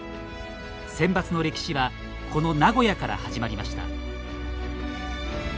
センバツの歴史はこの名古屋から始まりました。